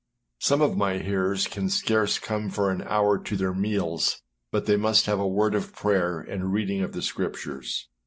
Some of my hearers can scarce come for an hour to their meals but they must have a word of prayer and reading of the Scriptures.